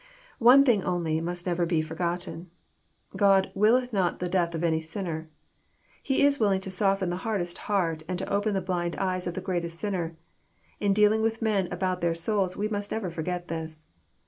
One thing only must never be forgotten. God " willeth not the death of any sinner." He is willing to soften the hardest heart, and to open the blind eyes of the greatest sinner. In dealing with men about their souls we must never forget this.